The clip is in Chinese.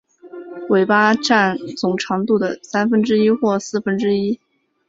尾巴占总长度的三分之一或四分之一。